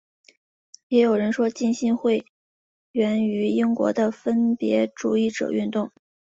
也有人说浸信会源于英国的分别主义者运动。